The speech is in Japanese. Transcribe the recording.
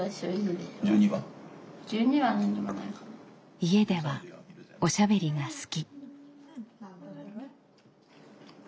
家ではおしゃべりが好き。